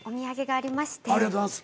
ありがとうございます。